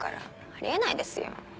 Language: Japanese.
あり得ないですよ。